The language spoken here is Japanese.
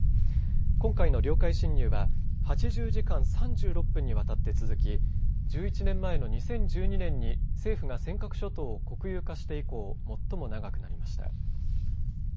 今回の領海侵入は８０時間３６分にわたって続き１１年前の２０１２年に政府が尖閣諸島を国有化して以降最も長くなりました。